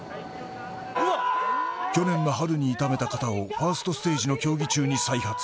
去年の春に痛めた肩をファーストステージの競技中に再発。